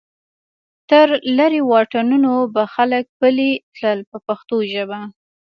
تر لرې واټنونو به خلک پلی تلل په پښتو ژبه.